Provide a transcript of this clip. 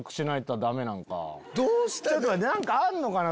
ちょっと待って何かあんのかな？